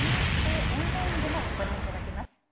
ＮＨＫオンラインでもご覧いただけます。